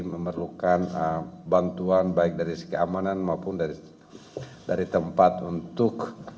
jadi memerlukan bantuan baik dari sikap amanan maupun dari tempat untuk